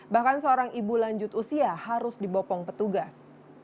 bahkan seorang ibu lanjut usia harus dibopong petugas